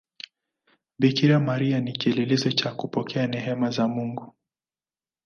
Bikira Maria ni kielelezo cha kupokea neema za Mungu.